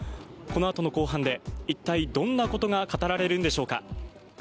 このあとの公判で一体どんなことが語られるんでしょうか。